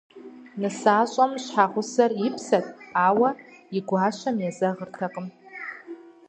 НысащӀэм щхьэгъусэр и псэт, ауэ и гуащэм езэгъыртэкъым.